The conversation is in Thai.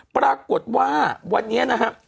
ปรากฏว่าวันนี้นะครับ